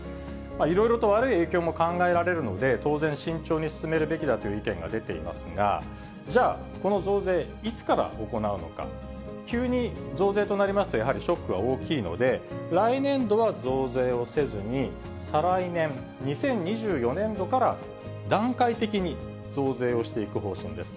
いろいろと悪い影響も考えられるので、当然、慎重に進めるべきだという意見が出ていますが、じゃあ、この増税、いつから行うのか、急に増税となりますと、やはりショックが大きいので、来年度は増税をせずに、再来年・２０２４年度から、段階的に増税をしていく方針です。